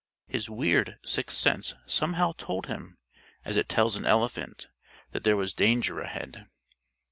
His weird sixth sense somehow told him as it tells an elephant that there was danger ahead.